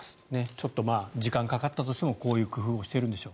ちょっと時間がかかったとしてもこういう工夫をしているんでしょう。